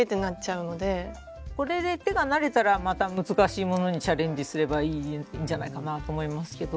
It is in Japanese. これで手が慣れたらまた難しいものにチャレンジすればいいんじゃないかなと思いますけど。